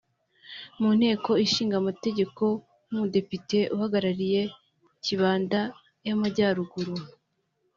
mu nteko ishinga amategeko nk’umudepite uhagarariye Kibanda y’Amajyaruguru